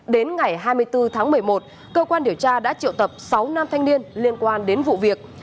đến ngày hai mươi bốn tháng một mươi một cơ quan điều tra đã triệu tập sáu nam thanh niên liên quan đến vụ việc